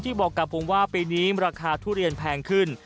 บอกกับผมว่าปีนี้ราคาทุเรียนแพงขึ้น